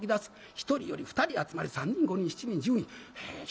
１人寄り２人集まり３人５人７人１０人。